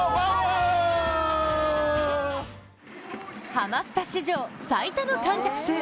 ハマスタ史上最多の観客数。